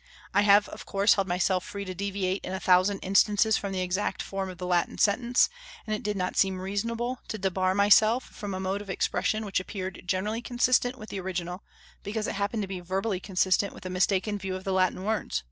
I have of course held myself free to deviate in a thousand instances from the exact form of the Latin sentence; and it did not seem reasonable to debar myself from a mode of expression which appeared generally consistent with the original, because it happened to be verbally consistent with a mistaken view of the Latin words.